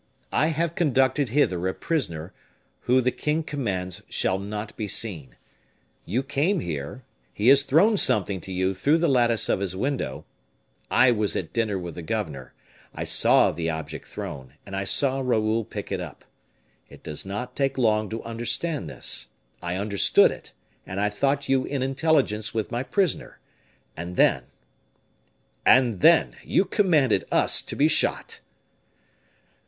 "I have conducted hither a prisoner, who the king commands shall not be seen. You came here, he has thrown something to you through the lattice of his window; I was at dinner with the governor, I saw the object thrown, and I saw Raoul pick it up. It does not take long to understand this. I understood it, and I thought you in intelligence with my prisoner. And then " "And then you commanded us to be shot."